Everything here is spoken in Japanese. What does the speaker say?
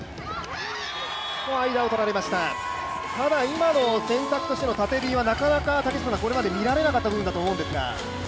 今の選択としての縦Ｂはなかなかこれまで見られなかった部分だと思うんですが。